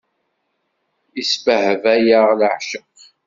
Isbehba-yaɣ leεceq.